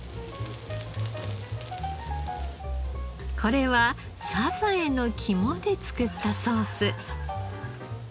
これはサザエの肝で作ったソース。